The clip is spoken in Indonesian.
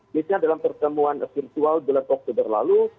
misalnya dalam pertemuan virtual bulan oktober lalu